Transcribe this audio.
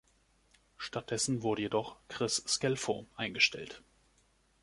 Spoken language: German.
Stattdessen wurde jedoch Chris Scelfo eingestellt.